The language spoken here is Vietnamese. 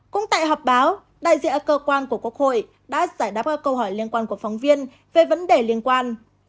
cũng tại họp báo đại diện cơ quan của quốc hội đã giải đáp các câu hỏi liên quan của phóng viên về vấn đề liên quan